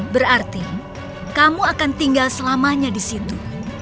berarti kamu akan tinggal selamanya di situ